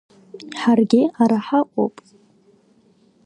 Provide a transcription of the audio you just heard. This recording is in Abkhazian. Ҳаргьы ара ҳаҟоуп!